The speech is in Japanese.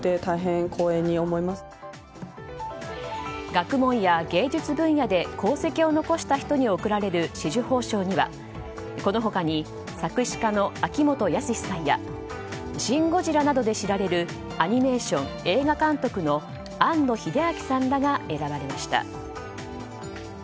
学問や芸術分野で功績を残した人に贈られる紫綬褒章にはこの他に作詞家の秋元康さんや「シン・ゴジラ」などで知られるアニメーション・映画監督の庵野秀明さんらが選ばれました。